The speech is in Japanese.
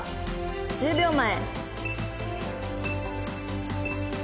１０秒前。